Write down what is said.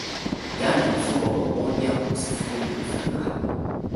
ghana ilifungwa bao moja kwa sifuri kwenye fainali